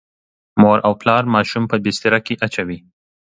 مور او پلار ماشوم په بستره کې اچوي.